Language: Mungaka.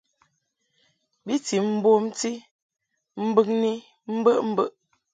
Bi ti bomti mbɨŋni mbəʼmbəʼ.